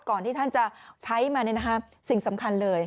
ที่ท่านจะใช้มาสิ่งสำคัญเลย